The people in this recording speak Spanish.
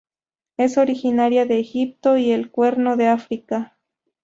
Es originaria de Egipto y el Cuerno de África.